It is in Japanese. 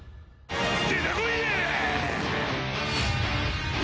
出てこいや！